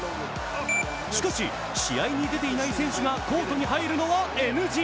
しかし、試合に出ていない選手がコートに入るのはＮＧ。